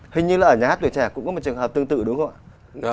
hình như là ở nhà hát tuổi trẻ cũng có một trường hợp tương tự đúng không ạ